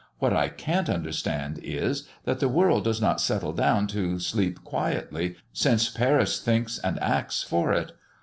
What I cant understand is, that the world does not settle down to sleep quietly, since Paris thinks and acts for it.